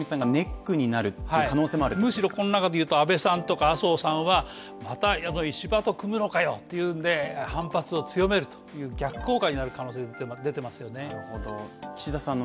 むしろこの中でいうと、安倍さんとか麻生さんは、石破と組むのかよと反発を強めるという逆効果になる可能性は出ていますよね。